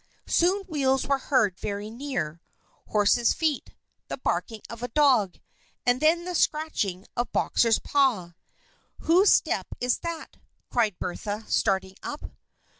Soon wheels were heard very near horse's feet the barking of a dog and then the scratching of Boxer's paw. "Whose step is that?" cried Bertha, starting up.